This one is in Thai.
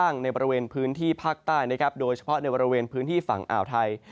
ในบริเวณพื้นที่ภาคใต้นะครับโดยเฉพาะในบริเวณพื้นที่ฝั่งอ่าวไทย